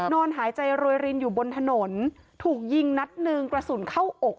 นอนหายใจโรยรินอยู่บนถนนถูกยิงนัดหนึ่งกระสุนเข้าอก